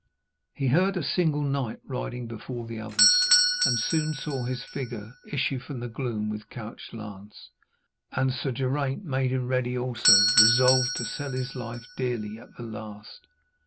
He heard a single knight riding before the others, and soon saw his figure issue from the gloom with couched lance. And Sir Geraint made him ready also, resolved to sell his life dearly at the last.